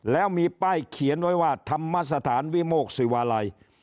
แล้วมีป้ายเขียนไว้ว่าธรรมสถานวิโมกศิวาลัย